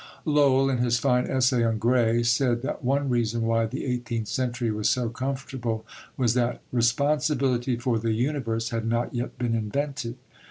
Lowell, in his fine essay on Gray, said that one reason why the eighteenth century was so comfortable was that "responsibility for the universe had not yet been invented."